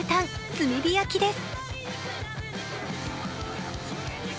炭火焼きです。